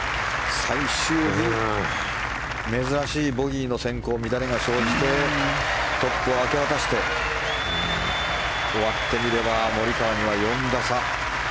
最終日、珍しいボギーの先行乱れが生じてトップを明け渡して終わってみればモリカワには４打差。